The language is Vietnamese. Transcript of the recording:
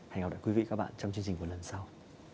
hẹn gặp lại quý vị và các bạn trong chương trình của lần sau